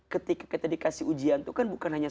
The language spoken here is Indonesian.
ketika kita dikasih ujian itu kan bukan hanya